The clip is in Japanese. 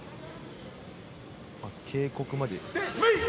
警告まで。